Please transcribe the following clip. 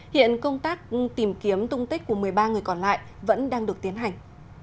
hiện công tác tìm kiếm tung tích của một mươi ba người còn lại vẫn đang được tiến hành